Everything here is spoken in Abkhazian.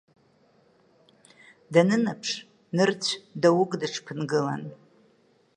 Данынаԥш нырцә даук дыҽԥынгылан.